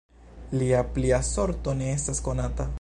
Lia plia sorto ne estas konata.